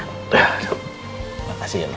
ya terima kasih ma